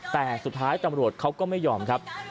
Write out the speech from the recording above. แต่สุดท้ายตำรวจเขาก็ไม่ยอมครับ